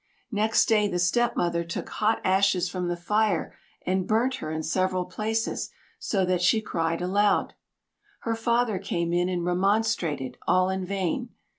Next day the stepmother took hot ashes from the fire and burnt her in several places, so that she cried aloud. Her father came in and remonstrated, all in vain.